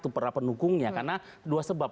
itu pernah penunggungnya karena dua sebab